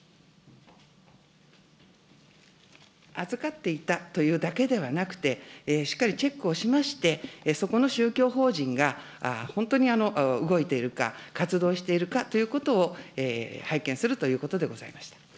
預かっていたというだけではなくて、しっかりチェックをしまして、そこの宗教法人が本当に動いているか、活動しているかということを拝見するということでございます。